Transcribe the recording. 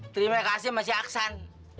terima kasih sama si aksan